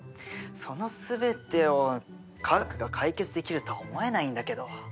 その全てを科学が解決できるとは思えないんだけど。